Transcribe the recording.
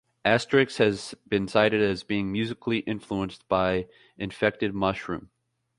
Astrix has been cited as being musically influenced by Infected Mushroom.